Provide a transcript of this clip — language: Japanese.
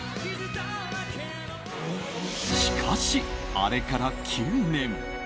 しかし、あれから９年。